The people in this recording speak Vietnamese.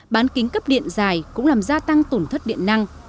bán kính cấp điện dài cũng làm gia tăng tổn thất điện năng